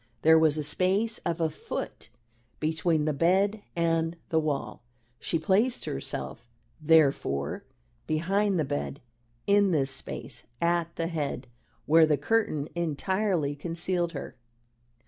There was a space of a foot between the bed and the wall. She placed herself, therefore, behind the bed, in this space, at the head, where the curtain entirely concealed her.